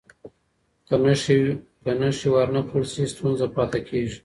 که نښې ور نه کړل سي، ستونزه پاتې کېږي.